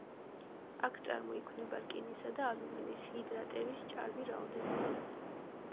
აქ წარმოიქმნება რკინისა და ალუმინის ჰიდრატების ჭარბი რაოდენობა.